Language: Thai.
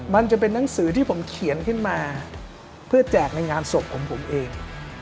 มันจะเป็นนังสือที่ผมเขียนขึ้นมาเพื่อแจกในงานศพของผมเอง